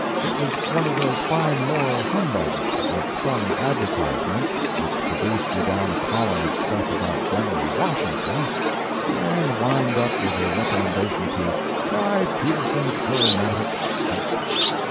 It was one of those fine moral humbugs, like some advertisements which seduce you down a column of stuff about General Washington and wind up with a recommendation to "try Peterson's aromatic soap."